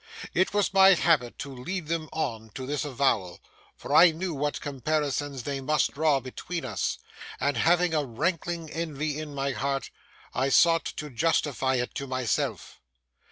It was my habit to lead them on to this avowal; for I knew what comparisons they must draw between us; and having a rankling envy in my heart, I sought to justify it to myself.